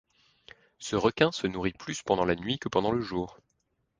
Ce requin se nourrit plus pendant la nuit que pendant le jour.